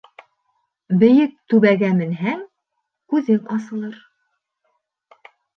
Бейек түбәгә менһәң, күҙең асылыр